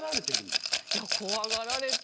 いや怖がられて。